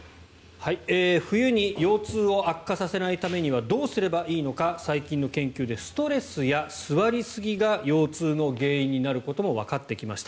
冬に腰痛を悪化させないためにはどうすればいいのか最新の研究でストレスや座りすぎが腰痛の原因になることもわかってきました。